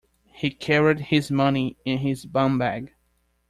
He carried his money in his bumbag